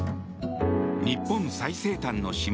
日本最西端の島